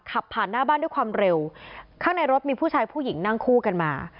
ขับผ่านหน้าบ้านด้วยความเร็วข้างในรถมีผู้ชายผู้หญิงนั่งคู่กันมา